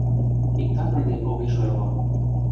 Иктат ынде огеш ойло.